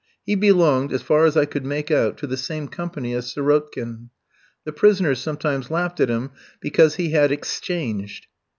He belonged, as far as I could make out, to the same company as Sirotkin. The prisoners sometimes laughed at him because he had "exchanged."